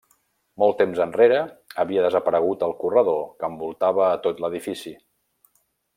Molt temps enrere havia desaparegut el corredor que envoltava a tot l'edifici.